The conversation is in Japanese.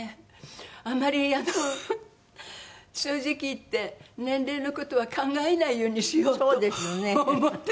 あまりあの正直言って年齢の事は考えないようにしようと思ってまして。